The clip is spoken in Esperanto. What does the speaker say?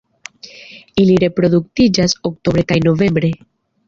Ili reproduktiĝas oktobre kaj novembre.